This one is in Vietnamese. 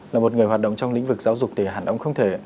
là một người hoạt động trong lĩnh vực giáo dục thì hẳn ông không thể